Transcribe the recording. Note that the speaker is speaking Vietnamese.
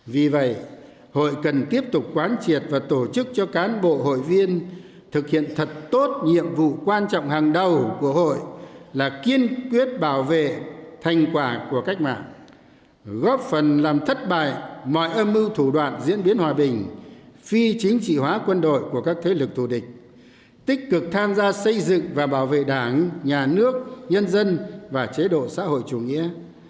vì vậy hội cần tiếp tục quán triệt và tổ chức cho cán bộ hội viên thực hiện thật tốt nhiệm vụ quan trọng hàng đầu của hội là kiên quyết bảo vệ thành quả của cách mạng góp phần làm thất bại mọi âm mưu thủ đoạn diễn biến hòa bình phi chính trị hóa quân đội của các thế lực thù địch tích cực tham gia xây dựng và bảo vệ đảng nhà nước nhân dân và chế độ xã hội chủ nghĩa